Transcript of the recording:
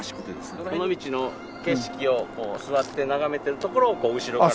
尾道の景色を座って眺めてるところを後ろから。